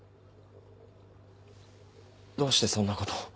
どうしてそんなこと。